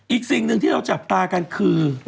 อีกสิ่งหนึ่งที่เราจับตากันคือ